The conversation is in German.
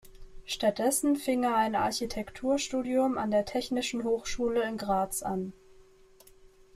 Stattdessen fing er ein Architekturstudium an der Technischen Hochschule in Graz an.